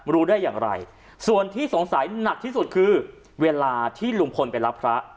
รู้ได้อย่างไรส่วนที่สงสัยหนักที่สุดคือเวลาที่ลุงพลไปรับพระ